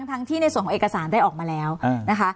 ทั้งที่ในส่วนของเอกสารได้ออกมาแล้วนะคะ